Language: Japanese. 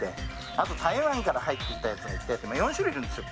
あと、台湾から入ってきたやつがいて４種類いるんですよ。